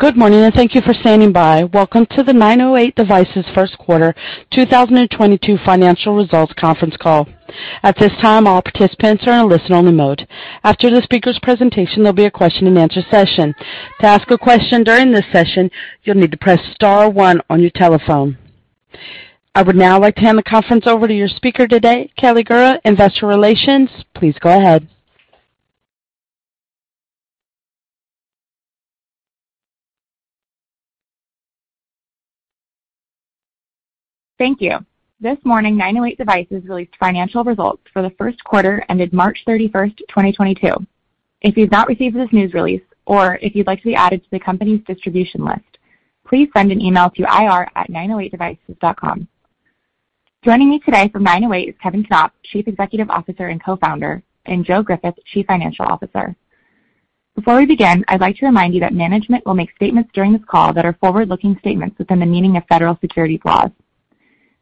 Good morning, and thank you for standing by. Welcome to the 908 Devices First Quarter 2022 Financial Results Conference Call. At this time, all participants are in listen-only mode. After the speaker's presentation, there'll be a question-and-answer session. To ask a question during this session, you'll need to press star one on your telephone. I would now like to hand the conference over to your speaker today, Kelly Gura, Investor Relations. Please go ahead. Thank you. This morning, 908 Devices released financial results for the first quarter ended March 31, 2022. If you've not received this news release or if you'd like to be added to the company's distribution list, please send an email to ir@908devices.com. Joining me today from 908 is Kevin Knopp, Chief Executive Officer and Co-founder, and Joe Griffith, Chief Financial Officer. Before we begin, I'd like to remind you that management will make statements during this call that are forward-looking statements within the meaning of federal securities laws.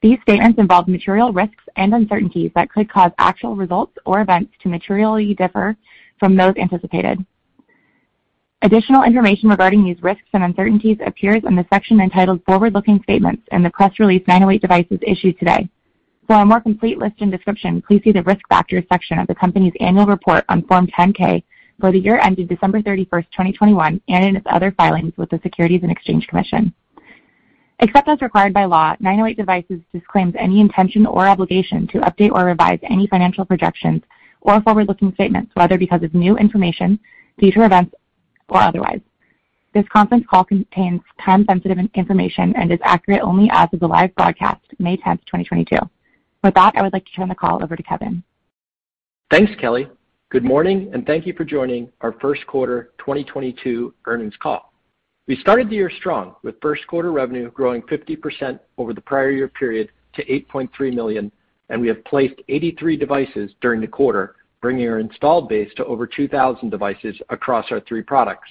These statements involve material risks and uncertainties that could cause actual results or events to materially differ from those anticipated. Additional information regarding these risks and uncertainties appears in the section entitled Forward-Looking Statements in the press release 908 Devices issued today. For a more complete list and description, please see the Risk Factors section of the company's annual report on Form 10-K for the year ending December 31, 2021, and in its other filings with the Securities and Exchange Commission. Except as required by law, 908 Devices disclaims any intention or obligation to update or revise any financial projections or forward-looking statements, whether because of new information, future events, or otherwise. This conference call contains time-sensitive information and is accurate only as of the live broadcast, May 10, 2022. With that, I would like to turn the call over to Kevin. Thanks, Kelly. Good morning, and thank you for joining our first quarter 2022 earnings call. We started the year strong with first quarter revenue growing 50% over the prior year period to $8.3 million, and we have placed 83 devices during the quarter, bringing our installed base to over 2,000 devices across our three products.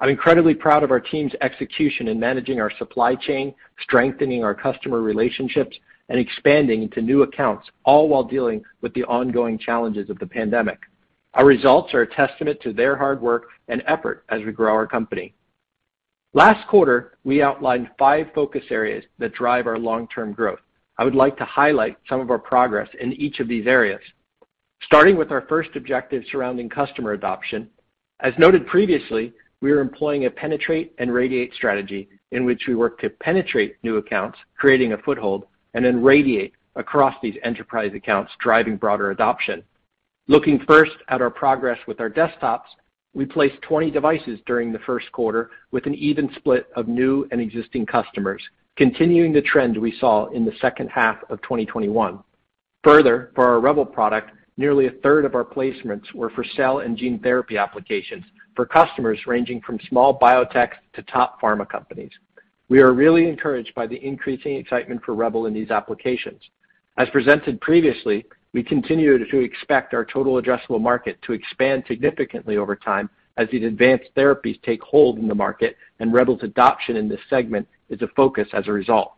I'm incredibly proud of our team's execution in managing our supply chain, strengthening our customer relationships, and expanding into new accounts, all while dealing with the ongoing challenges of the pandemic. Our results are a testament to their hard work and effort as we grow our company. Last quarter, we outlined five focus areas that drive our long-term growth. I would like to highlight some of our progress in each of these areas. Starting with our first objective surrounding customer adoption, as noted previously, we are employing a penetrate and radiate strategy in which we work to penetrate new accounts, creating a foothold, and then radiate across these enterprise accounts, driving broader adoption. Looking first at our progress with our desktops, we placed 20 devices during the first quarter with an even split of new and existing customers, continuing the trend we saw in the second half of 2021. Further, for our REBEL product, nearly a third of our placements were for cell and gene therapy applications for customers ranging from small biotech to top pharma companies. We are really encouraged by the increasing excitement for REBEL in these applications. As presented previously, we continue to expect our total addressable market to expand significantly over time as these advanced therapies take hold in the market, and REBEL's adoption in this segment is a focus as a result.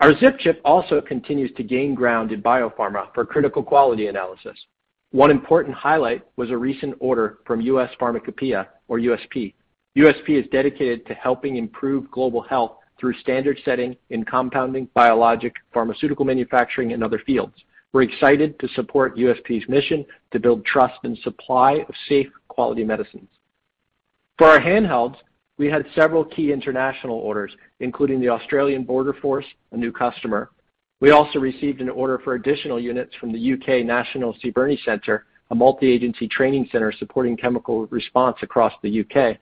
Our ZipChip also continues to gain ground in biopharma for critical quality analysis. One important highlight was a recent order from US Pharmacopeia or USP. USP is dedicated to helping improve global health through standard setting in compounding biologic pharmaceutical manufacturing and other fields. We're excited to support USP's mission to build trust and supply of safe, quality medicines. For our handhelds, we had several key international orders, including the Australian Border Force, a new customer. We also received an order for additional units from the UK National CBRNe Center, a multi-agency training center supporting chemical response across the U.K.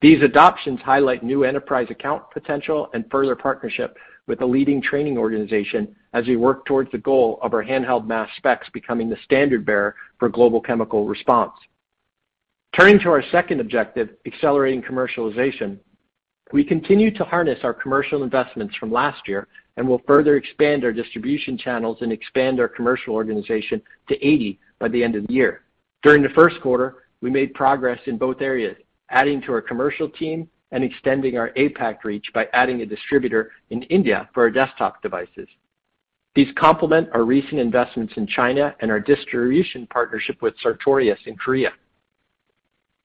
These adoptions highlight new enterprise account potential and further partnership with a leading training organization as we work towards the goal of our handheld mass specs becoming the standard-bearer for global chemical response. Turning to our second objective, accelerating commercialization, we continue to harness our commercial investments from last year and will further expand our distribution channels and expand our commercial organization to 80 by the end of the year. During the first quarter, we made progress in both areas, adding to our commercial team and extending our APAC reach by adding a distributor in India for our desktop devices. These complement our recent investments in China and our distribution partnership with Sartorius in Korea.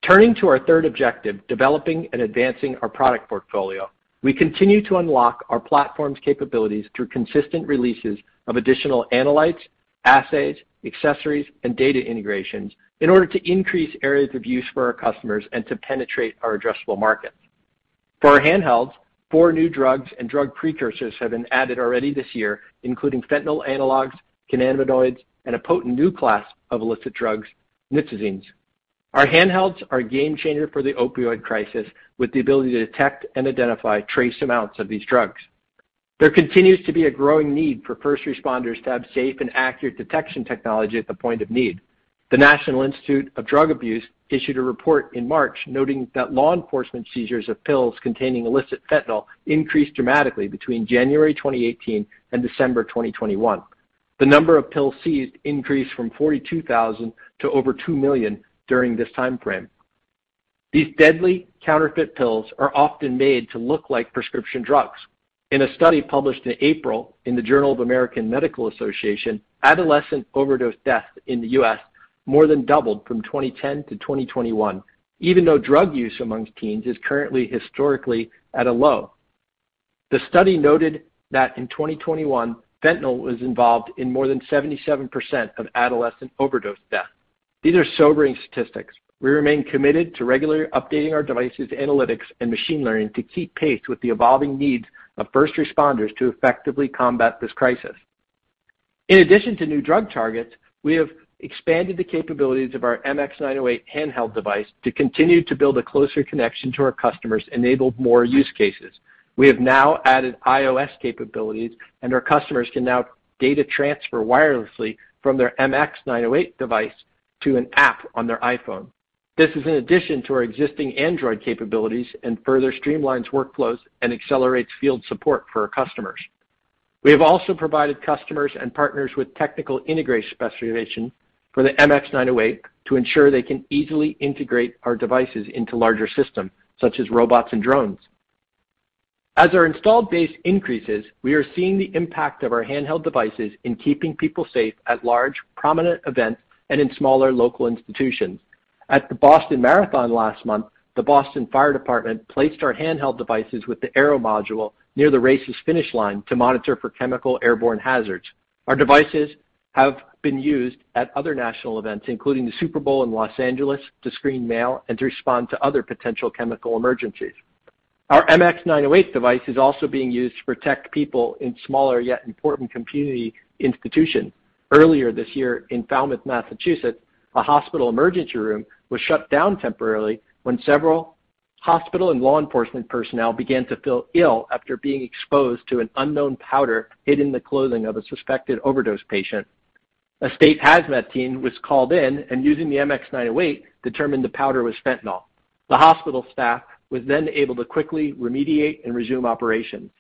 Turning to our third objective, developing and advancing our product portfolio. We continue to unlock our platform's capabilities through consistent releases of additional analytes, assays, accessories, and data integrations in order to increase areas of use for our customers and to penetrate our addressable markets. For our handhelds, four new drugs and drug precursors have been added already this year, including fentanyl analogs, cannabinoids, and a potent new class of illicit drugs, nitazenes. Our handhelds are a game changer for the opioid crisis with the ability to detect and identify trace amounts of these drugs. There continues to be a growing need for first responders to have safe and accurate detection technology at the point of need. The National Institute of Drug Abuse issued a report in March noting that law enforcement seizures of pills containing illicit fentanyl increased dramatically between January 2018 and December 2021. The number of pills seized increased from 42,000 to over 2 million during this time frame. These deadly counterfeit pills are often made to look like prescription drugs. In a study published in April in The Journal of American Medical Association, adolescent overdose deaths in the U.S. More than doubled from 2010 to 2021, even though drug use amongst teens is currently historically at a low. The study noted that in 2021, fentanyl was involved in more than 77% of adolescent overdose deaths. These are sobering statistics. We remain committed to regularly updating our devices, analytics, and machine learning to keep pace with the evolving needs of first responders to effectively combat this crisis. In addition to new drug targets, we have expanded the capabilities of our MX908 handheld device to continue to build a closer connection to our customers, enabled more use cases. We have now added iOS capabilities, and our customers can now data transfer wirelessly from their MX908 device to an app on their iPhone. This is in addition to our existing Android capabilities and further streamlines workflows and accelerates field support for our customers. We have also provided customers and partners with technical integration specifications for the MX908 to ensure they can easily integrate our devices into larger systems, such as robots and drones. As our installed base increases, we are seeing the impact of our handheld devices in keeping people safe at large, prominent events and in smaller local institutions. At the Boston Marathon last month, the Boston Fire Department placed our handheld devices with the Aero module near the race's finish line to monitor for chemical airborne hazards. Our devices have been used at other national events, including the Super Bowl in Los Angeles, to screen mail and to respond to other potential chemical emergencies. Our MX908 device is also being used to protect people in smaller yet important community institutions. Earlier this year in Falmouth, Massachusetts, a hospital emergency room was shut down temporarily when several hospital and law enforcement personnel began to feel ill after being exposed to an unknown powder hidden in the clothing of a suspected overdose patient. A state HAZMAT team was called in and using the MX908, determined the powder was fentanyl. The hospital staff was then able to quickly remediate and resume operations.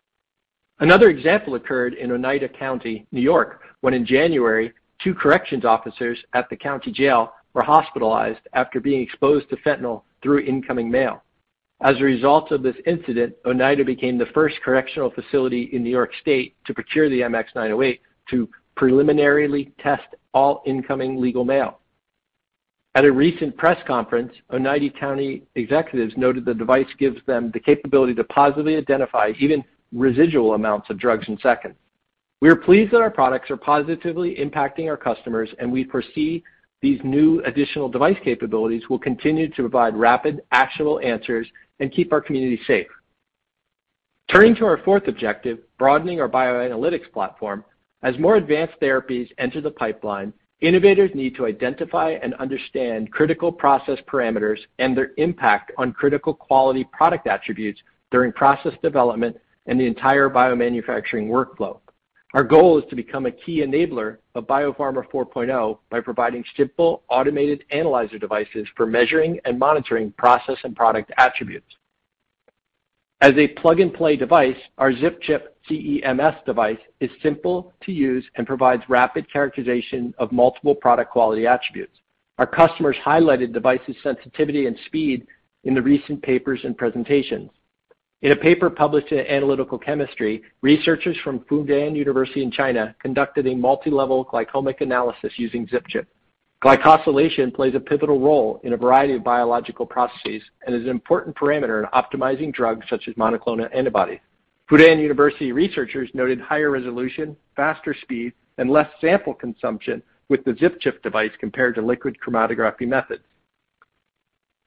Another example occurred in Oneida County, New York, when in January, two corrections officers at the county jail were hospitalized after being exposed to fentanyl through incoming mail. As a result of this incident, Oneida became the first correctional facility in New York State to procure the MX908 to preliminarily test all incoming legal mail. At a recent press conference, Oneida County executives noted the device gives them the capability to positively identify even residual amounts of drugs in seconds. We are pleased that our products are positively impacting our customers, and we foresee these new additional device capabilities will continue to provide rapid, actionable answers and keep our community safe. Turning to our fourth objective, broadening our bioanalytics platform. As more advanced therapies enter the pipeline, innovators need to identify and understand critical process parameters and their impact on critical quality product attributes during process development and the entire biomanufacturing workflow. Our goal is to become a key enabler of Biopharma 4.0 by providing simple, automated analyzer devices for measuring and monitoring process and product attributes. As a plug-and-play device, our ZipChip CE-MS device is simple to use and provides rapid characterization of multiple product quality attributes. Our customers highlighted the device's sensitivity and speed in the recent papers and presentations. In a paper published in Analytical Chemistry, researchers from Fudan University in China conducted a multilevel glycomic analysis using ZipChip. Glycosylation plays a pivotal role in a variety of biological processes and is an important parameter in optimizing drugs such as monoclonal antibodies. Fudan University researchers noted higher resolution, faster speed, and less sample consumption with the ZipChip device compared to liquid chromatography methods.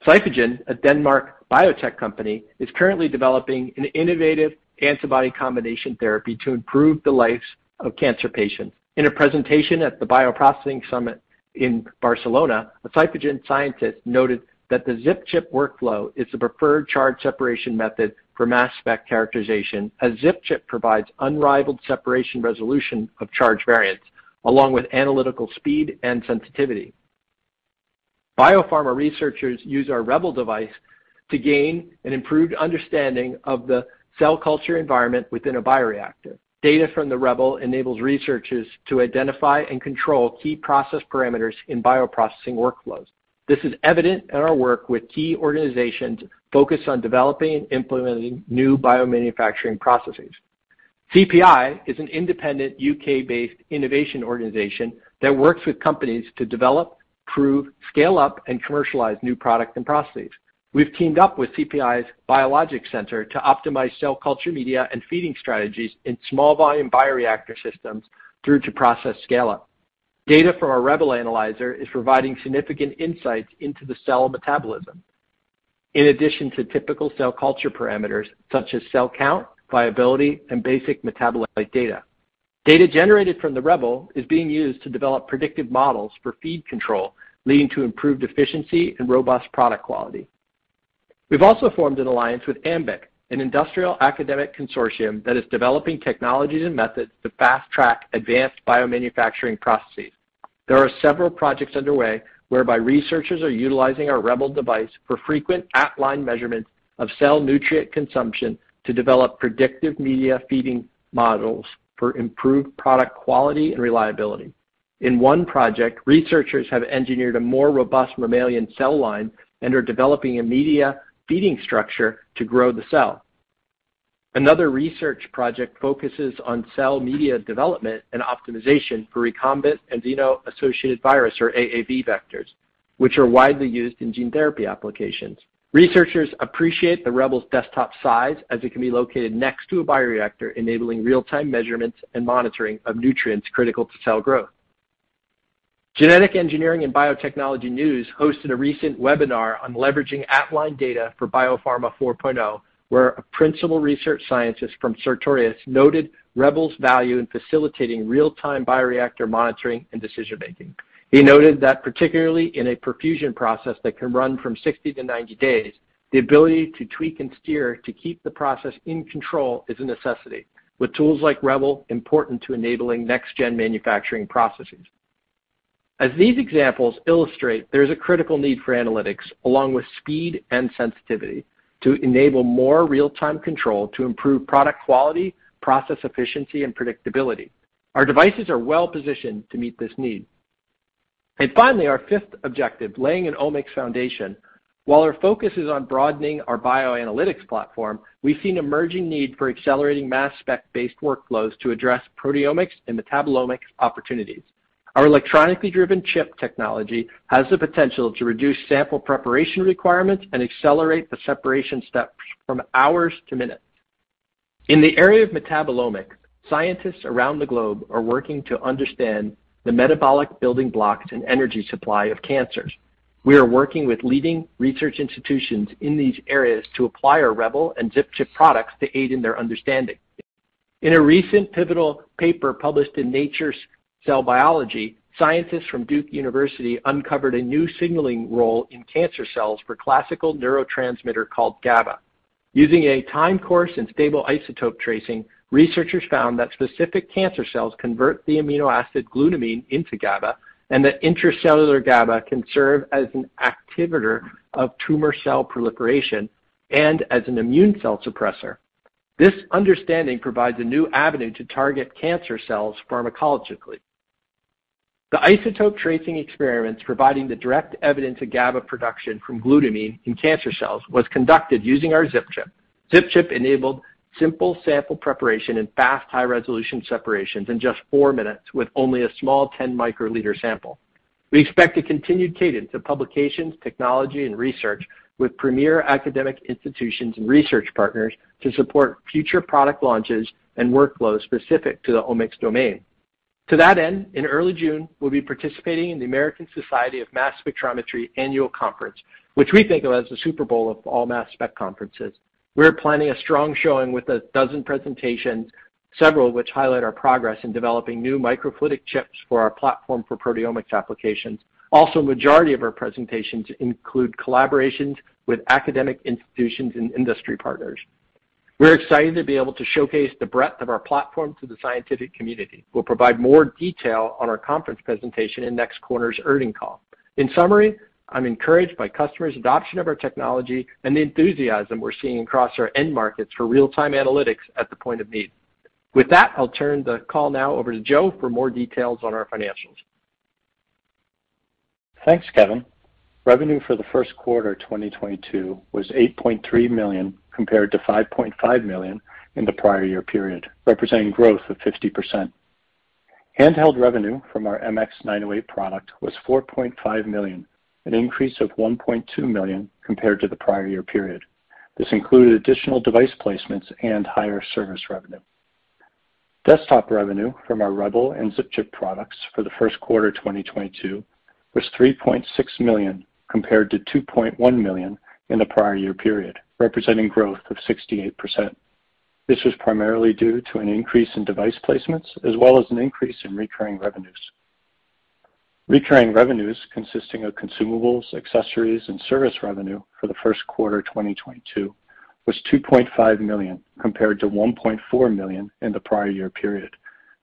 Symphogen, a Danish biotech company, is currently developing an innovative antibody combination therapy to improve the lives of cancer patients. In a presentation at the Bioprocessing Summit in Barcelona, a Symphogen scientist noted that the ZipChip workflow is the preferred charge separation method for mass spec characterization, as ZipChip provides unrivaled separation resolution of charge variants, along with analytical speed and sensitivity. Biopharma researchers use our REBEL device to gain an improved understanding of the cell culture environment within a bioreactor. Data from the REBEL enables researchers to identify and control key process parameters in bioprocessing workflows. This is evident in our work with key organizations focused on developing and implementing new biomanufacturing processes. CPI is an independent U.K.-based innovation organization that works with companies to develop, prove, scale up, and commercialize new products and processes. We've teamed up with CPI's Biologics Center to optimize cell culture media and feeding strategies in small volume bioreactor systems through to process scale-up. Data from our REBEL analyzer is providing significant insights into the cell metabolism, in addition to typical cell culture parameters, such as cell count, viability, and basic metabolite data. Data generated from the REBEL is being used to develop predictive models for feed control, leading to improved efficiency and robust product quality. We've also formed an alliance with AMBIC, an industrial academic consortium that is developing technologies and methods to fast-track advanced biomanufacturing processes. There are several projects underway whereby researchers are utilizing our REBEL device for frequent at-line measurements of cell nutrient consumption to develop predictive media feeding models for improved product quality and reliability. In one project, researchers have engineered a more robust mammalian cell line and are developing a media feeding structure to grow the cell. Another research project focuses on cell media development and optimization for recombinant adeno-associated virus, or AAV vectors, which are widely used in gene therapy applications. Researchers appreciate the REBEL's desktop size as it can be located next to a bioreactor, enabling real-time measurements and monitoring of nutrients critical to cell growth. Genetic Engineering and Biotechnology News hosted a recent webinar on leveraging at-line data for Biopharma 4.0, where a principal research scientist from Sartorius noted REBEL's value in facilitating real-time bioreactor monitoring and decision-making. He noted that particularly in a perfusion process that can run from 60-90 days, the ability to tweak and steer to keep the process in control is a necessity, with tools like REBEL important to enabling next gen manufacturing processes. As these examples illustrate, there's a critical need for analytics along with speed and sensitivity to enable more real-time control to improve product quality, process efficiency, and predictability. Our devices are well-positioned to meet this need. Finally, our fifth objective, laying an Omics foundation. While our focus is on broadening our bioanalytics platform, we've seen emerging need for accelerating mass spec-based workflows to address proteomics and metabolomics opportunities. Our electronically driven chip technology has the potential to reduce sample preparation requirements and accelerate the separation steps from hours to minutes. In the area of metabolomics, scientists around the globe are working to understand the metabolic building blocks and energy supply of cancers. We are working with leading research institutions in these areas to apply our REBEL and ZipChip products to aid in their understanding. In a recent pivotal paper published in Nature Cell Biology, scientists from Duke University uncovered a new signaling role in cancer cells for classical neurotransmitter called GABA. Using a time course and stable isotope tracing, researchers found that specific cancer cells convert the amino acid glutamine into GABA, and that intracellular GABA can serve as an activator of tumor cell proliferation and as an immune cell suppressor. This understanding provides a new avenue to target cancer cells pharmacologically. The isotope tracing experiments providing the direct evidence of GABA production from glutamine in cancer cells was conducted using our ZipChip. ZipChip enabled simple sample preparation and fast high-resolution separations in just four minutes with only a small 10 microliter sample. We expect a continued cadence of publications, technology, and research with premier academic institutions and research partners to support future product launches and workflows specific to the Omics domain. To that end, in early June, we'll be participating in the American Society for Mass Spectrometry annual conference, which we think of as the Super Bowl of all mass spec conferences. We're planning a strong showing with a dozen presentations, several which highlight our progress in developing new microfluidic chips for our platform for proteomics applications. Also, majority of our presentations include collaborations with academic institutions and industry partners. We're excited to be able to showcase the breadth of our platform to the scientific community. We'll provide more detail on our conference presentation in next quarter's earnings call. In summary, I'm encouraged by customers' adoption of our technology and the enthusiasm we're seeing across our end markets for real-time analytics at the point of need. With that, I'll turn the call now over to Joe for more details on our financials. Thanks, Kevin. Revenue for the first quarter 2022 was $8.3 million compared to $5.5 million in the prior year period, representing growth of 50%. Handheld revenue from our MX908 product was $4.5 million, an increase of $1.2 million compared to the prior year period. This included additional device placements and higher service revenue. Desktop revenue from our REBEL and ZipChip products for the first quarter 2022 was $3.6 million compared to $2.1 million in the prior year period, representing growth of 68%. This was primarily due to an increase in device placements as well as an increase in recurring revenues. Recurring revenues consisting of consumables, accessories, and service revenue for the first quarter 2022 was $2.5 million compared to $1.4 million in the prior year period,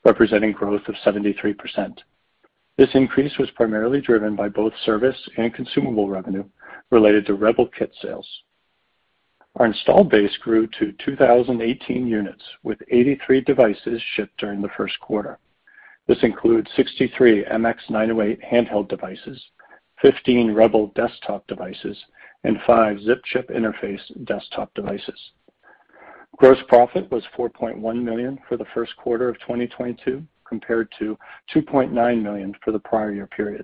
representing growth of 73%. This increase was primarily driven by both service and consumable revenue related to REBEL kit sales. Our installed base grew to 2,018 units, with 83 devices shipped during the first quarter. This includes 63 MX908 handheld devices, 15 REBEL desktop devices, and five ZipChip interface desktop devices. Gross profit was $4.1 million for the first quarter of 2022, compared to $2.9 million for the prior year period.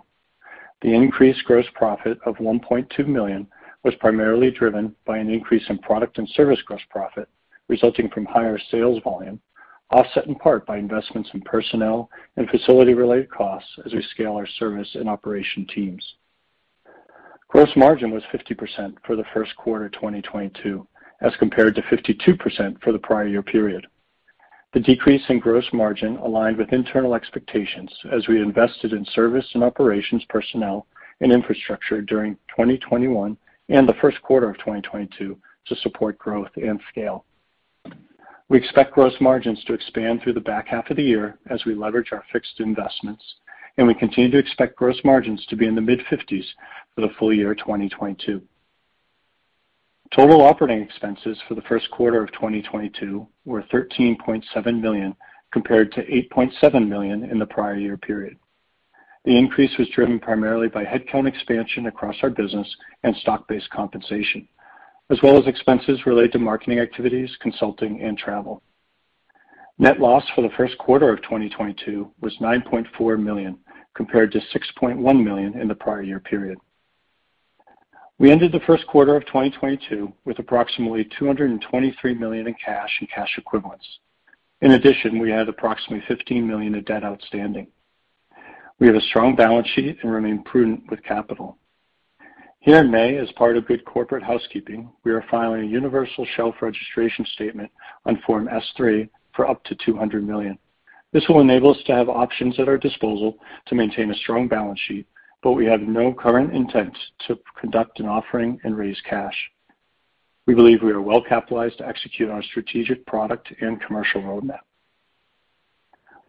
The increased gross profit of $1.2 million was primarily driven by an increase in product and service gross profit resulting from higher sales volume, offset in part by investments in personnel and facility-related costs as we scale our service and operation teams. Gross margin was 50% for the first quarter 2022, as compared to 52% for the prior year period. The decrease in gross margin aligned with internal expectations as we invested in service and operations personnel and infrastructure during 2021 and the first quarter of 2022 to support growth and scale. We expect gross margins to expand through the back half of the year as we leverage our fixed investments, and we continue to expect gross margins to be in the mid-50s% for the full year 2022. Total operating expenses for the first quarter of 2022 were $13.7 million compared to $8.7 million in the prior year period. The increase was driven primarily by headcount expansion across our business and stock-based compensation, as well as expenses related to marketing activities, consulting and travel. Net loss for the first quarter of 2022 was $9.4 million, compared to $6.1 million in the prior year period. We ended the first quarter of 2022 with approximately $223 million in cash and cash equivalents. In addition, we had approximately $15 million of debt outstanding. We have a strong balance sheet and remain prudent with capital. Here in May, as part of good corporate housekeeping, we are filing a universal shelf registration statement on Form S-3 for up to $200 million. This will enable us to have options at our disposal to maintain a strong balance sheet, but we have no current intent to conduct an offering and raise cash. We believe we are well capitalized to execute on our strategic product and commercial roadmap.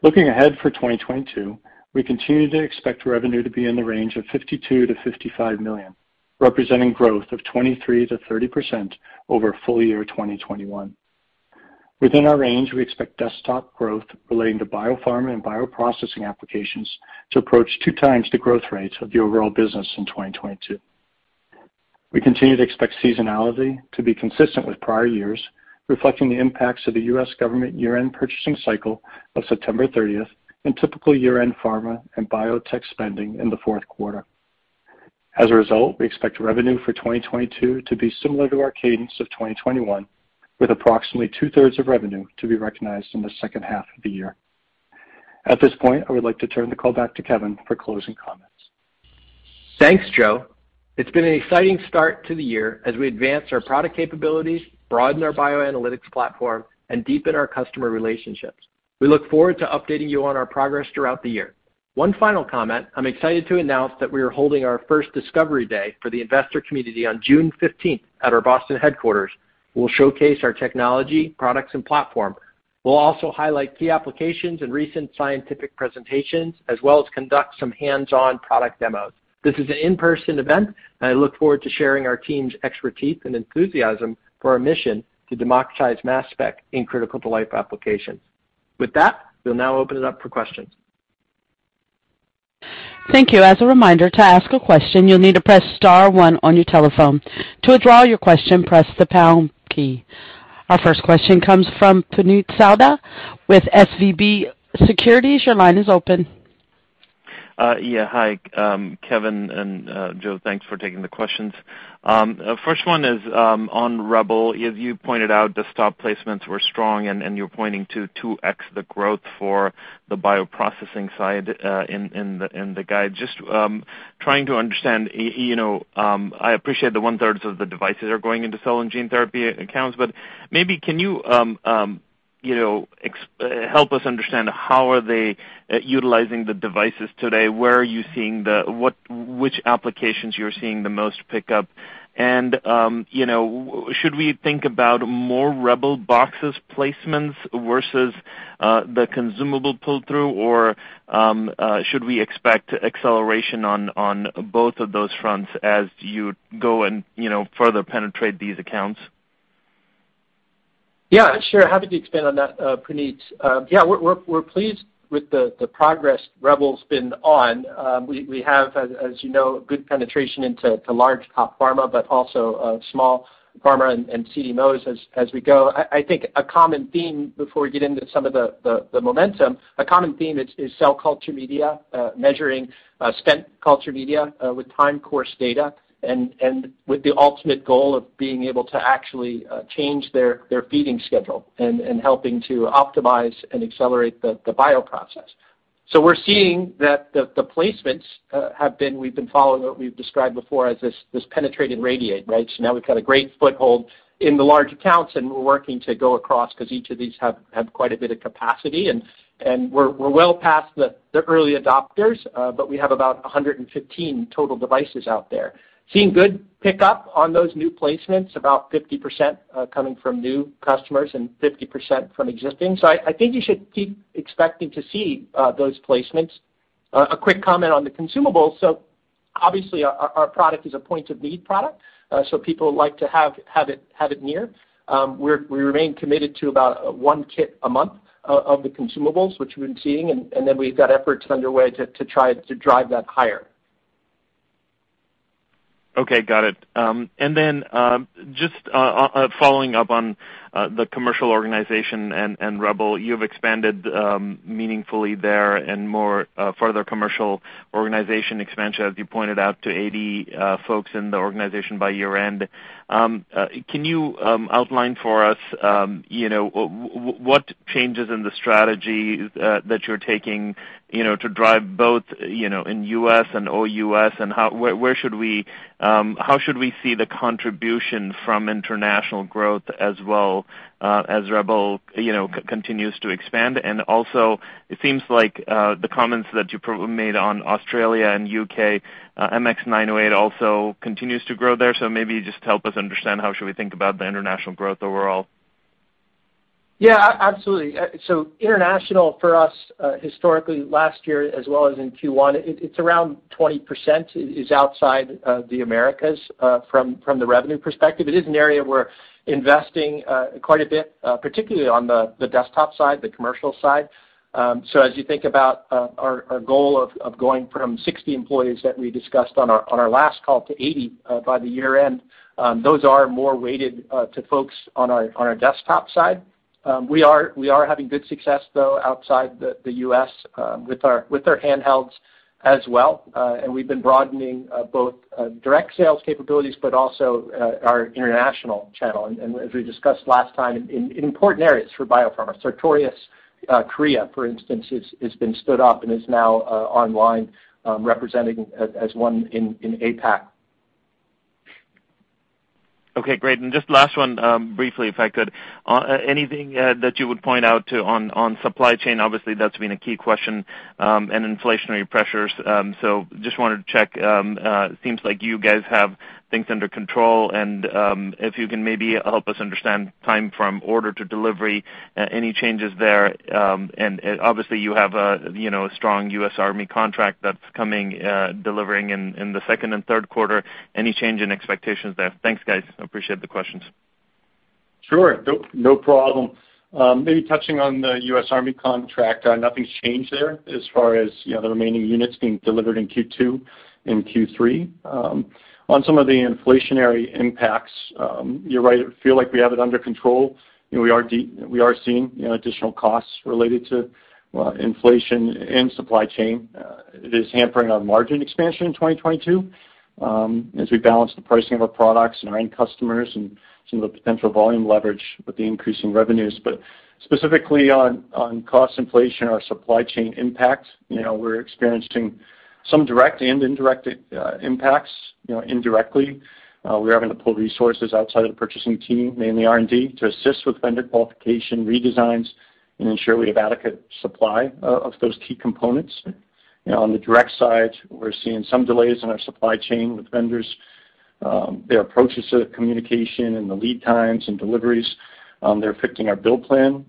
Looking ahead for 2022, we continue to expect revenue to be in the range of $52 million-$55 million, representing growth of 23%-30% over full year 2021. Within our range, we expect desktop growth relating to biopharma and bioprocessing applications to approach 2x the growth rates of the overall business in 2022. We continue to expect seasonality to be consistent with prior years, reflecting the impacts of the U.S. government year-end purchasing cycle of September 30th and typical year-end pharma and biotech spending in the fourth quarter. As a result, we expect revenue for 2022 to be similar to our cadence of 2021, with approximately two-thirds of revenue to be recognized in the second half of the year. At this point, I would like to turn the call back to Kevin for closing comments. Thanks, Joe. It's been an exciting start to the year as we advance our product capabilities, broaden our bioanalytics platform, and deepen our customer relationships. We look forward to updating you on our progress throughout the year. One final comment, I'm excited to announce that we are holding our first Discovery Day for the investor community on June 15th at our Boston headquarters. We'll showcase our technology, products and platform. We'll also highlight key applications and recent scientific presentations, as well as conduct some hands-on product demos. This is an in-person event, and I look forward to sharing our team's expertise and enthusiasm for our mission to democratize mass spec in critical to life applications. With that, we'll now open it up for questions. Thank you. As a reminder, to ask a question, you'll need to press star one on your telephone. To withdraw your question, press the pound key. Our first question comes from Puneet Souda with SVB Securities. Your line is open. Yeah. Hi, Kevin and Joe, thanks for taking the questions. First one is on REBEL. As you pointed out, desktop placements were strong and you're pointing to 2x the growth for the bioprocessing side in the guide. Just trying to understand, you know, I appreciate one-third of the devices are going into cell and gene therapy accounts, but maybe can you help us understand how are they utilizing the devices today? Where are you seeing which applications you're seeing the most pickup? You know, should we think about more REBEL boxes placements versus the consumable pull-through? Or should we expect acceleration on both of those fronts as you go and you know, further penetrate these accounts? Yeah, sure. Happy to expand on that, Puneet. Yeah, we're pleased with the progress REBEL's been on. We have, as you know, good penetration into large top pharma, but also small pharma and CDMOs as we go. I think a common theme before we get into some of the momentum, a common theme is cell culture media, measuring spent culture media with time course data and with the ultimate goal of being able to actually change their feeding schedule and helping to optimize and accelerate the bioprocess. We're seeing that the placements have been, we've been following what we've described before as this penetrate and radiate, right? Now we've got a great foothold in the large accounts, and we're working to go across because each of these have quite a bit of capacity, and we're well past the early adopters, but we have about 115 total devices out there. Seeing good pickup on those new placements, about 50% coming from new customers and 50% from existing. I think you should keep expecting to see those placements. A quick comment on the consumables. Obviously our product is a point-of-need product, so people like to have it near. We remain committed to about one kit a month of the consumables which we've been seeing, and then we've got efforts underway to try to drive that higher. Okay, got it. Then, just following up on the commercial organization and REBEL, you've expanded meaningfully there and more further commercial organization expansion, as you pointed out, to 80 folks in the organization by year-end. Can you outline for us, you know, what changes in the strategy that you're taking, you know, to drive both, you know, in U.S. and OUS, and how should we see the contribution from international growth as well, as REBEL, you know, continues to expand? It seems like the comments that you made on Australia and U.K., MX908 also continues to grow there. Maybe just help us understand how should we think about the international growth overall. Yeah, absolutely. International for us, historically last year as well as in Q1, it's around 20% outside the Americas, from the revenue perspective. It is an area we're investing quite a bit, particularly on the desktop side, the commercial side. As you think about our goal of going from 60 employees that we discussed on our last call to 80 by year-end, those are more weighted to folks on our desktop side. We are having good success, though, outside the U.S. with our handhelds as well. We've been broadening both direct sales capabilities, but also our international channel. As we discussed last time, in important areas for biopharma. Sartorius Korea, for instance, has been stood up and is now online, representing as one in APAC. Okay, great. Just last one, briefly, if I could. Anything that you would point out to on supply chain? Obviously, that's been a key question, and inflationary pressures. Just wanted to check. Seems like you guys have things under control. If you can maybe help us understand time from order to delivery, any changes there. Obviously, you have a, you know, a strong U.S. Army contract that's coming, delivering in the second and third quarter. Any change in expectations there? Thanks, guys. Appreciate the questions. Sure. No problem. Maybe touching on the U.S. Army contract, nothing's changed there as far as the remaining units being delivered in Q2 and Q3. On some of the inflationary impacts, you're right. Feel like we have it under control. You know, we are seeing additional costs related to inflation and supply chain. It is hampering our margin expansion in 2022, as we balance the pricing of our products and our end customers and some of the potential volume leverage with the increasing revenues. Specifically on cost inflation or supply chain impact, you know, we're experiencing some direct and indirect impacts. You know, indirectly, we are having to pull resources outside of the purchasing team, mainly R&D, to assist with vendor qualification redesigns and ensure we have adequate supply of those key components. You know, on the direct side, we're seeing some delays in our supply chain with vendors, their approaches to the communication and the lead times and deliveries. They're affecting our build plan,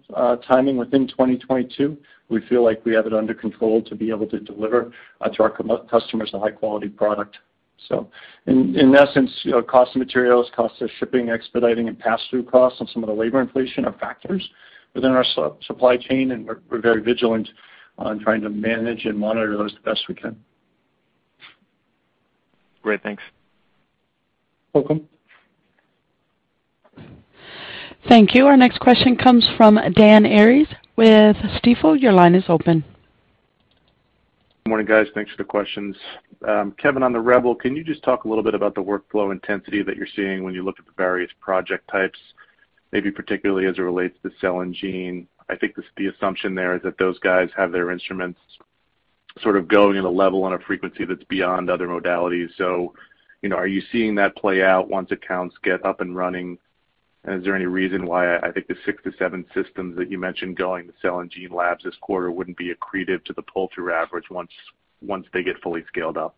timing within 2022. We feel like we have it under control to be able to deliver to our customers a high quality product. In essence, you know, cost of materials, cost of shipping, expediting and pass-through costs and some of the labor inflation are factors within our supply chain, and we're very vigilant on trying to manage and monitor those the best we can. Great. Thanks. Welcome. Thank you. Our next question comes from Dan Arias with Stifel. Your line is open. Morning, guys. Thanks for the questions. Kevin, on the REBEL, can you just talk a little bit about the workflow intensity that you're seeing when you look at the various project types, maybe particularly as it relates to cell and gene? I think the assumption there is that those guys have their instruments sort of going at a level and a frequency that's beyond other modalities. You know, are you seeing that play out once accounts get up and running? Is there any reason why I think the six to seven systems that you mentioned going to cell and gene labs this quarter wouldn't be accretive to the pull-through average once they get fully scaled up?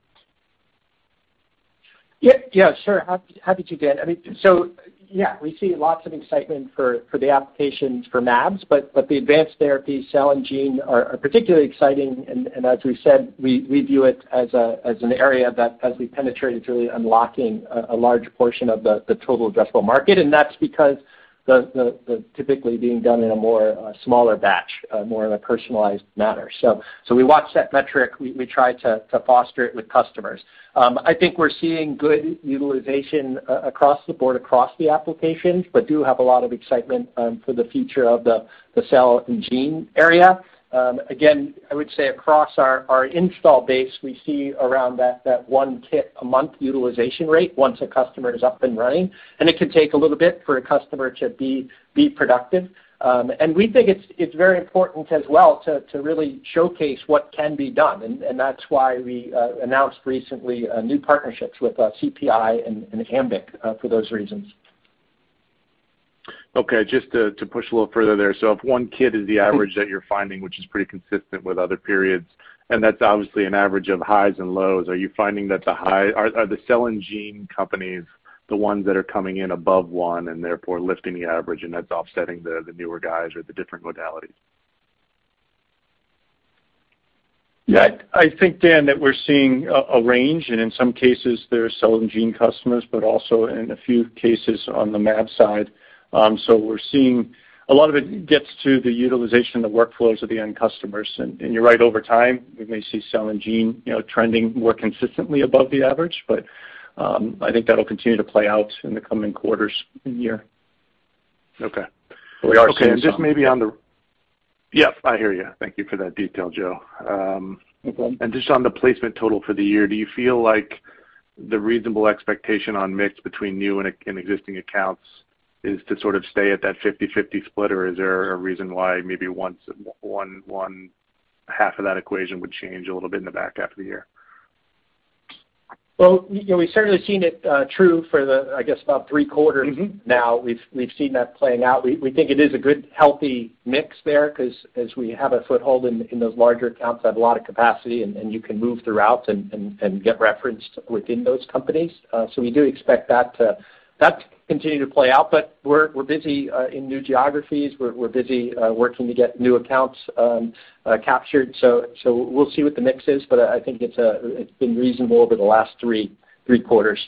Yeah. Yeah, sure. Happy to, Dan. I mean, so, yeah, we see lots of excitement for the applications for mAbs, but the advanced therapies, cell and gene are particularly exciting. As we said, we view it as an area that as we penetrate, it's really unlocking a large portion of the total addressable market, and that's because they're typically being done in a smaller batch, more in a personalized manner. We watch that metric. We try to foster it with customers. I think we're seeing good utilization across the board, across the applications, but do have a lot of excitement for the future of the cell and gene area. Again, I would say across our install base, we see around that one kit a month utilization rate once a customer is up and running, and it can take a little bit for a customer to be productive. We think it's very important as well to really showcase what can be done. That's why we announced recently new partnerships with CPI and AMBIC for those reasons. Okay. Just to push a little further there. If one kit is the average that you're finding, which is pretty consistent with other periods, and that's obviously an average of highs and lows, are you finding that the cell and gene companies are the ones that are coming in above one and therefore lifting the average, and that's offsetting the newer guys or the different modalities? Yeah. I think, Dan, that we're seeing a range, and in some cases, they're cell and gene customers, but also in a few cases on the mAb side. We're seeing a lot of it gets to the utilization, the workflows of the end customers. You're right, over time, we may see cell and gene, you know, trending more consistently above the average. I think that'll continue to play out in the coming quarters and year. Okay. We are seeing some- Okay. Yep, I hear you. Thank you for that detail, Joe. No problem. Just on the placement total for the year, do you feel like the reasonable expectation on mix between new and existing accounts is to sort of stay at that 50/50 split, or is there a reason why maybe one half of that equation would change a little bit in the back half of the year? Well, you know, we've certainly seen it true for the, I guess, about three quarters now. We've seen that playing out. We think it is a good, healthy mix there because as we have a foothold in those larger accounts, have a lot of capacity, and you can move throughout and get referenced within those companies. We do expect that to continue to play out, but we're busy in new geographies. We're busy working to get new accounts captured. We'll see what the mix is, but I think it's been reasonable over the last three quarters.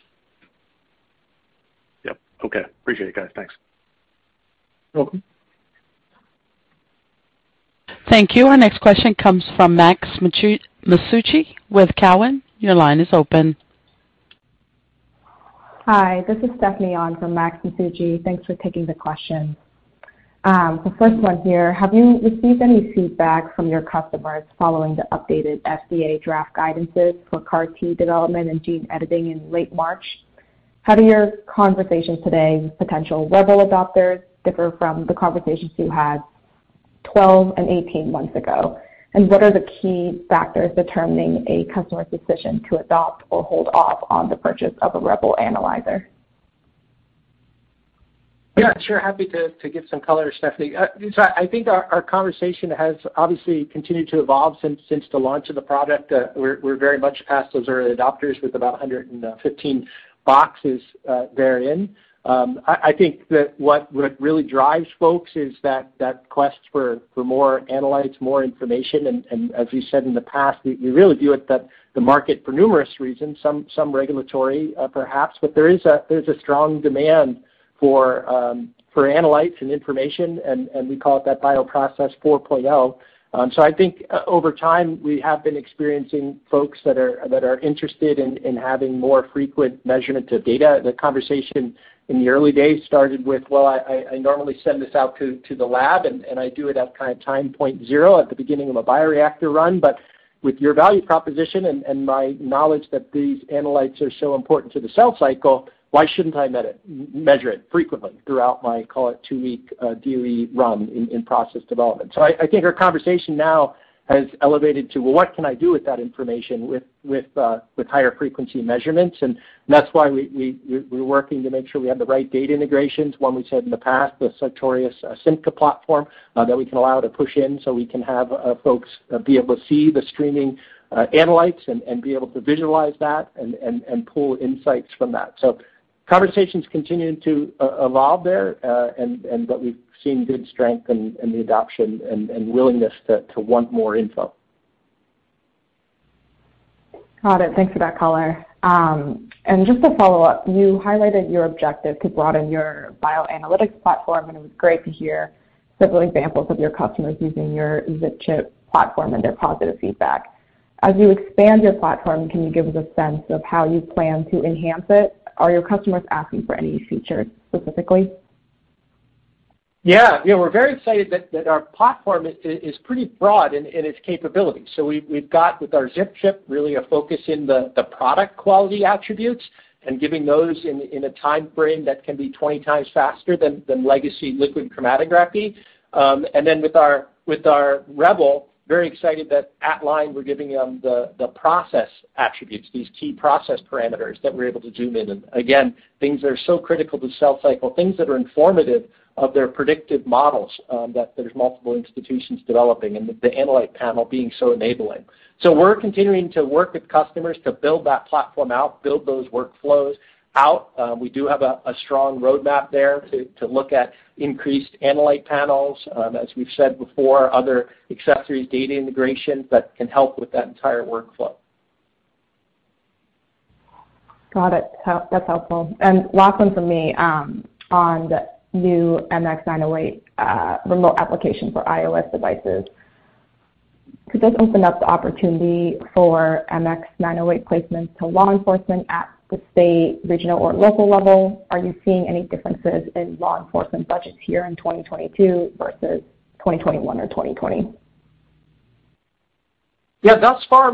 Yep. Okay. Appreciate it, guys. Thanks. Welcome. Thank you. Our next question comes from Max Masucci with Cowen. Your line is open. Hi, this is Stephanie Yan from Max Masucci. Thanks for taking the question. The first one here, have you received any feedback from your customers following the updated FDA draft guidances for CAR-T development and gene editing in late March? How do your conversations today with potential REBEL adopters differ from the conversations you had 12 and 18 months ago? What are the key factors determining a customer's decision to adopt or hold off on the purchase of a REBEL analyzer? Yeah, sure. Happy to give some color, Stephanie. So I think our conversation has obviously continued to evolve since the launch of the product. We're very much past those early adopters with about 115 boxes therein. I think that what really drives folks is that quest for more analytes, more information. As you said in the past, we really view it that the market for numerous reasons, some regulatory, perhaps, but there is a strong demand for analytes and information, and we call it Bioprocess 4.0. Over time, we have been experiencing folks that are interested in having more frequent measurement of data. The conversation in the early days started with, "Well, I normally send this out to the lab and I do it at kind of time point zero at the beginning of a bioreactor run. But with your value proposition and my knowledge that these analytes are so important to the cell cycle, why shouldn't I measure it frequently throughout my, call it, two-week DOE run in process development?" I think our conversation now has elevated to, "Well, what can I do with that information with higher frequency measurements?" That's why we're working to make sure we have the right data integrations. As we said in the past, the Sartorius SIMCA platform, that we can allow to push in so we can have folks be able to see the streaming analytes and pull insights from that. Conversations continuing to evolve there, and, but we've seen good strength in the adoption and willingness to want more info. Got it. Thanks for that color. Just a follow-up, you highlighted your objective to broaden your bioanalytics platform, and it was great to hear several examples of your customers using your ZipChip platform and their positive feedback. As you expand your platform, can you give us a sense of how you plan to enhance it? Are your customers asking for any features specifically? Yeah, we're very excited that our platform is pretty broad in its capabilities. We've got with our ZipChip really a focus in the product quality attributes and giving those in a timeframe that can be 20 times faster than legacy liquid chromatography. Then with our REBEL, very excited that at-line we're giving them the process attributes, these key process parameters that we're able to zoom in. Again, things that are so critical to cell culture, things that are informative of their predictive models, that there's multiple institutions developing and the analyte panel being so enabling. We're continuing to work with customers to build that platform out, build those workflows out. We do have a strong roadmap there to look at increased analyte panels, as we've said before, other accessories, data integrations that can help with that entire workflow. Got it. That's helpful. Last one from me, on the new MX908, remote application for iOS devices. Could this open up the opportunity for MX908 placements to law enforcement at the state, regional, or local level? Are you seeing any differences in law enforcement budgets here in 2022 versus 2021 or 2020? Yeah, thus far,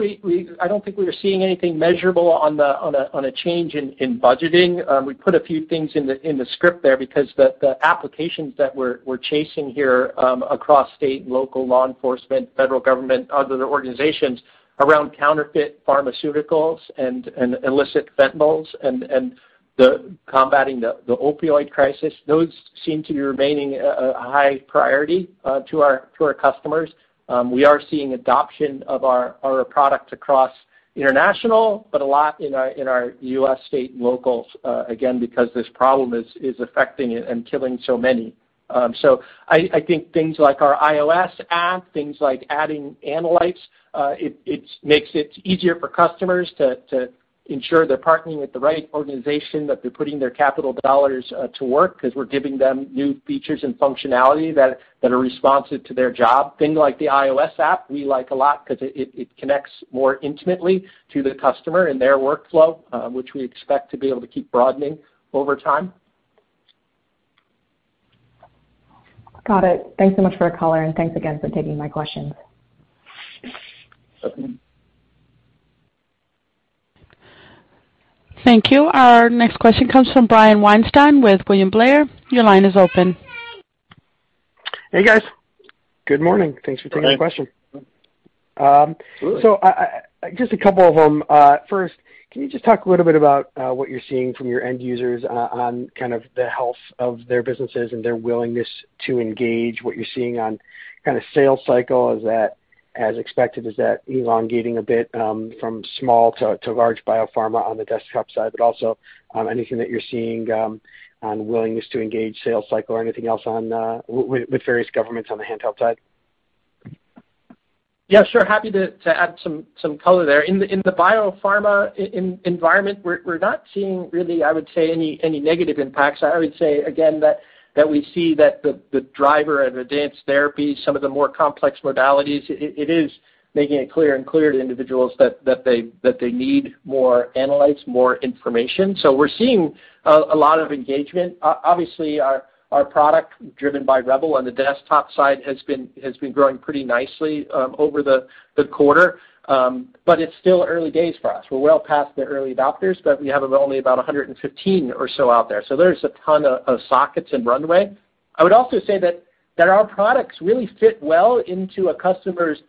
I don't think we are seeing anything measurable on a change in budgeting. We put a few things in the script there because the applications that we're chasing here across state and local law enforcement, federal government, other organizations around counterfeit pharmaceuticals and illicit fentanyls and combating the opioid crisis, those seem to be remaining a high priority to our customers. We are seeing adoption of our products across international, but a lot in our U.S. state and locals, again, because this problem is affecting and killing so many. I think things like our iOS app, things like adding analytes, it makes it easier for customers to ensure they're partnering with the right organization, that they're putting their capital dollars to work because we're giving them new features and functionality that are responsive to their job. Things like the iOS app, we like a lot because it connects more intimately to the customer and their workflow, which we expect to be able to keep broadening over time. Got it. Thanks so much for the color, and thanks again for taking my questions. Welcome. Thank you. Our next question comes from Brian Weinstein with William Blair. Your line is open. Hey, guys. Good morning. Thanks for taking the question. Good morning. I just a couple of them. First, can you just talk a little bit about what you're seeing from your end users on kind of the health of their businesses and their willingness to engage, what you're seeing on kinda sales cycle, is that as expected? Is that elongating a bit from small to large biopharma on the desktop side? Also, anything that you're seeing on willingness to engage sales cycle or anything else on with various governments on the handheld side? Yeah, sure. Happy to add some color there. In the biopharma environment, we're not seeing really I would say any negative impacts. I would say again that we see that the driver of advanced therapy, some of the more complex modalities, it is making it clear to individuals that they need more analytes, more information. We're seeing a lot of engagement. Obviously our product driven by REBEL on the desktop side has been growing pretty nicely over the quarter. It's still early days for us. We're well past the early adopters, but we have only about 115 or so out there. There's a ton of sockets and runway. I would also say that our products really fit well into a customer's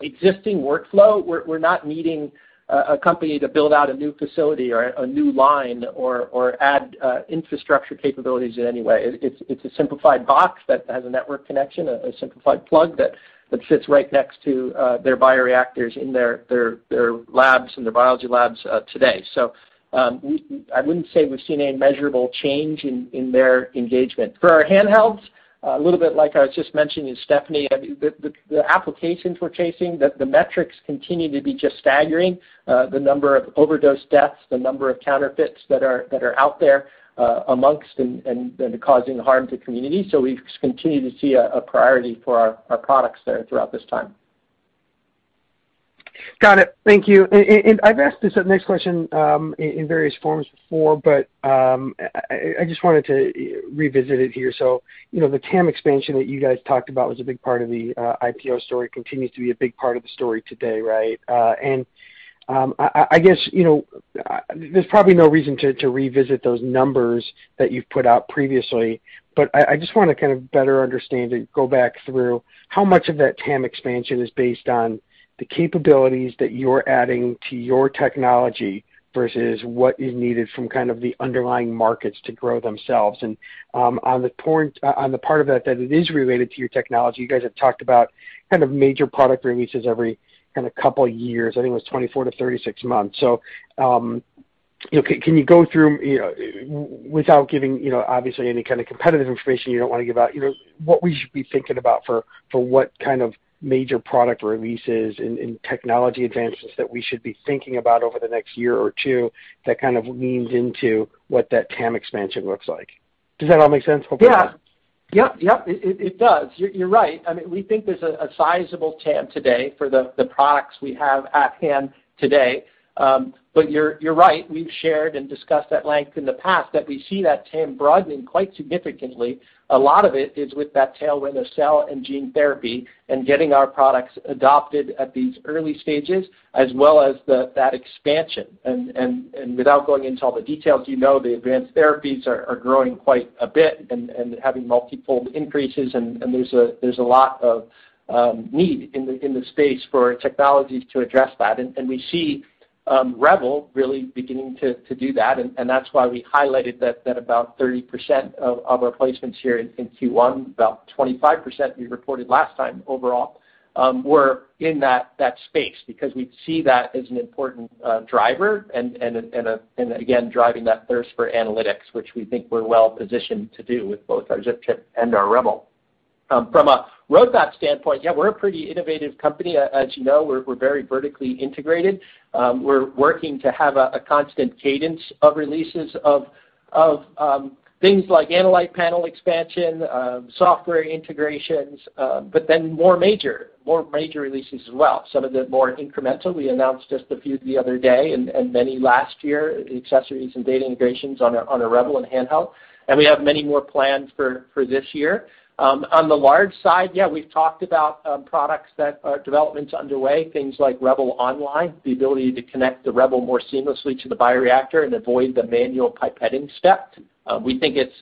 existing workflow. We're not needing a new facility or a new line or add infrastructure capabilities in any way. It's a simplified box that has a network connection, a simplified plug that sits right next to their bioreactors in their labs and their biology labs today. I wouldn't say we've seen any measurable change in their engagement. For our handhelds, a little bit like I was just mentioning to Stephanie, I mean, the applications we're chasing, the metrics continue to be just staggering. The number of overdose deaths, the number of counterfeits that are out there amongst and causing harm to communities. We continue to see a priority for our products there throughout this time. Got it. Thank you. I've asked this next question in various forms before, but I just wanted to revisit it here. You know, the TAM expansion that you guys talked about was a big part of the IPO story, continues to be a big part of the story today, right? I guess you know there's probably no reason to revisit those numbers that you've put out previously. I just wanna kind of better understand and go back through how much of that TAM expansion is based on the capabilities that you're adding to your technology versus what is needed from kind of the underlying markets to grow themselves. On the part of that it is related to your technology, you guys have talked about kind of major product releases every kind of couple years, I think it was 24-36 months. You know, can you go through, you know, without giving, you know, obviously any kind of competitive information you don't wanna give out, you know, what we should be thinking about for what kind of major product releases and technology advances that we should be thinking about over the next year or two that kind of leans into what that TAM expansion looks like? Does that all make sense? Yeah. Yep, it does. You're right. I mean, we think there's a sizable TAM today for the products we have at hand today. But you're right, we've shared and discussed at length in the past that we see that TAM broadening quite significantly. A lot of it is with that tailwind of cell and gene therapy and getting our products adopted at these early stages as well as that expansion. Without going into all the details, you know the advanced therapies are growing quite a bit and having multi-fold increases and there's a lot of need in the space for technologies to address that. We see REBEL really beginning to do that, and that's why we highlighted that about 30% of our placements here in Q1, about 25% we reported last time overall, were in that space because we see that as an important driver and again, driving that thirst for analytics, which we think we're well positioned to do with both our ZipChip and our REBEL. From a roadmap standpoint, yeah, we're a pretty innovative company. As you know, we're very vertically integrated. We're working to have a constant cadence of releases of things like analyte panel expansion, software integrations, but then more major releases as well. Some of the more incremental, we announced just a few the other day and many last year, accessories and data integrations on a REBEL and handheld, and we have many more plans for this year. On the large side, yeah, we've talked about products that development's underway, things like REBEL Online, the ability to connect the REBEL more seamlessly to the bioreactor and avoid the manual pipetting step. We think it's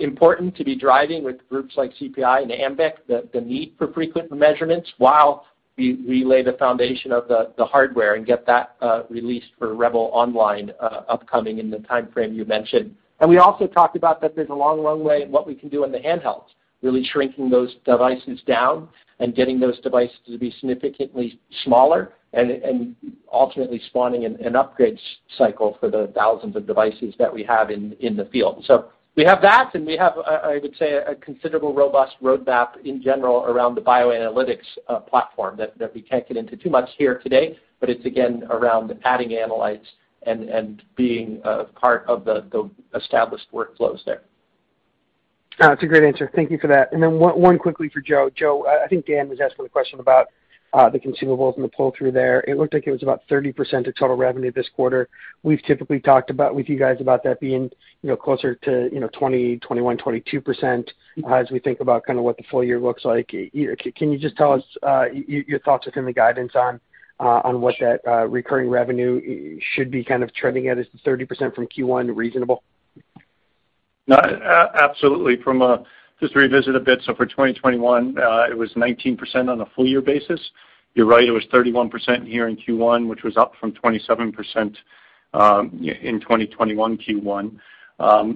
important to be driving with groups like CPI and AMBIC, the need for frequent measurements while we lay the foundation of the hardware and get that released for REBEL Online upcoming in the timeframe you mentioned. We also talked about that there's a long, long way in what we can do on the handhelds, really shrinking those devices down and getting those devices to be significantly smaller and ultimately spawning an upgrade cycle for the thousands of devices that we have in the field. We have that, and we have, I would say, a considerably robust roadmap in general around the bioanalytics platform that we can't get into too much here today, but it's again around adding analytes and being a part of the established workflows there. No, that's a great answer. Thank you for that. One quickly for Joe. Joe, I think Dan was asking the question about the consumables and the pull-through there. It looked like it was about 30% of total revenue this quarter. We've typically talked about with you guys about that being, you know, closer to, you know, 20%, 21%, 22% as we think about kind of what the full year looks like. Either can you just tell us your thoughts within the guidance on what that recurring revenue should be kind of trending at? Is the 30% from Q1 reasonable? No. Absolutely. Just to revisit a bit, for 2021, it was 19% on a full year basis. You're right, it was 31% here in Q1, which was up from 27% in 2021 Q1.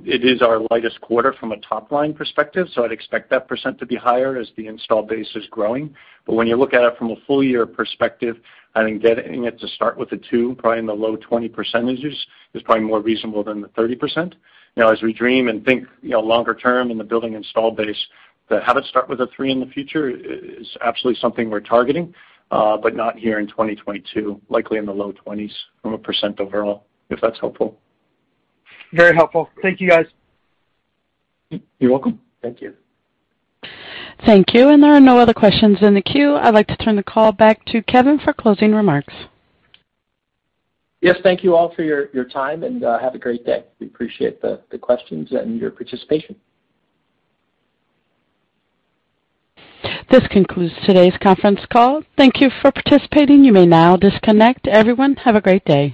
It is our lightest quarter from a top line perspective, so I'd expect that percent to be higher as the install base is growing. When you look at it from a full year perspective, I think getting it to start with a two, probably in the low 20 percentages is probably more reasonable than the 30%. You know, as we dream and think, you know, longer term in the building installed base, to have it start with a three in the future is absolutely something we're targeting, but not here in 2022, likely in the low 20% overall, if that's helpful. Very helpful. Thank you, guys. You're welcome. Thank you. Thank you. There are no other questions in the queue. I'd like to turn the call back to Kevin for closing remarks. Yes, thank you all for your time, and have a great day. We appreciate the questions and your participation. This concludes today's conference call. Thank you for participating. You may now disconnect. Everyone, have a great day.